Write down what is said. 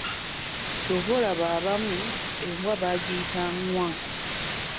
Ky'ova olaba ng'abamu embwa bagiyita Ngwa.